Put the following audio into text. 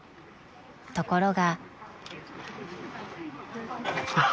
［ところが］